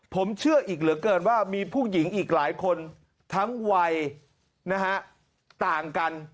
ผมเชื่ออีกเหลือเกินว่ามีผู้หญิงอีกหลายคนทั้งวัยนะฮะต่างกัน